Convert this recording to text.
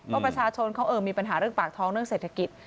เพราะประชาชนเขามีปัญหาเรื่องปากท้องเรื่องเศรษฐกิจ